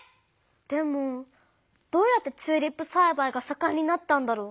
でもどうやってチューリップさいばいがさかんになったんだろう？